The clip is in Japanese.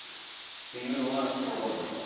っていうのはどうでしょう？